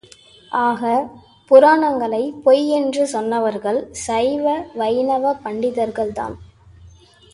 ஆக, புராணங்களைப் பொய் என்று சொன்னவர்கள் சைவ—வைணவப் பண்டிதர்கள் தான்.